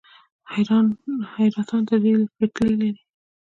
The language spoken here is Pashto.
حیرتان د ریل پټلۍ لري